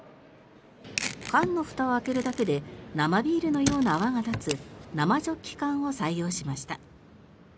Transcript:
缶のふたを開けるだけで生ビールのような泡が立つ生ジョッキ缶を採用しました。